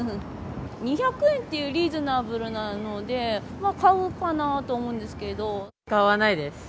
２００円っていうリーズナブルなので、まあ買うかなと思うんです買わないです。